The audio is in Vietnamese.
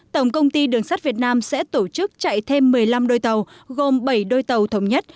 tổng công ty đường sắt việt nam sẽ tổ chức chạy thêm một mươi năm đôi tàu gồm bảy đôi tàu thống nhất